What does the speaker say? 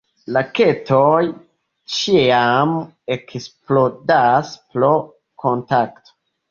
Raketoj ĉiam eksplodas pro kontakto.